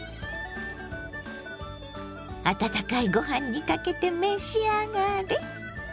温かいご飯にかけて召し上がれ。